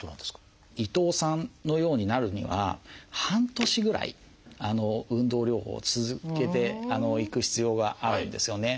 伊藤さんのようになるには半年ぐらい運動療法を続けていく必要があるんですよね。